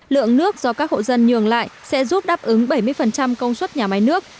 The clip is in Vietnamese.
lượng nước do các hộ dân nhường lại sẽ giúp đáp ứng bảy mươi công suất nhà máy nước